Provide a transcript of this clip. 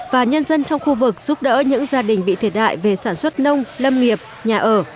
và nhân dân trong khu vực giúp đỡ những gia đình bị thiệt hại về sản xuất nông lâm nghiệp nhà ở